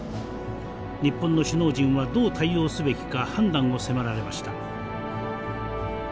日本の首脳陣はどう対応すべきか判断を迫られました。